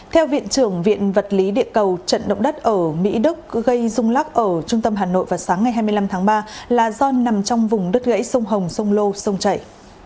theo viện trưởng viện vật lý địa cầu trận động đất ở mỹ đức gây rung lắc ở trung tâm hà nội vào sáng ngày hai mươi năm tháng ba là do nằm trong vùng đất gãy sông hồng sông lô sông chảy